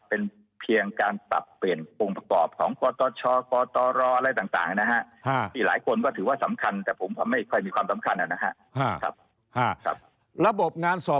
เป็นเพียงการปรับเปลี่ยนองค์ประกอบของปตชกตรอะไรต่างนะฮะ